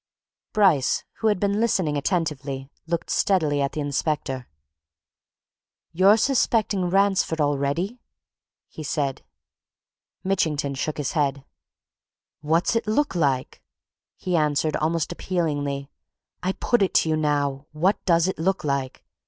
Bryce, who had been listening attentively, looked steadily at the inspector. "You're suspecting Ransford already!" he said. Mitchington shook his head. "What's it look like?" he answered, almost appealingly. "I put it to you, now! what does it look like?